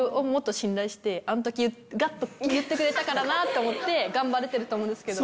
「あん時ガッと言ってくれたからな」と思って頑張れてると思うんですけど。